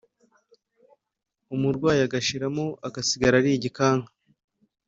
umurwayi agashiramo, agasigara ari igikanka.